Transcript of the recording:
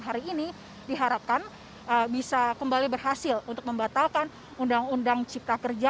hari ini diharapkan bisa kembali berhasil untuk membatalkan undang undang cipta kerja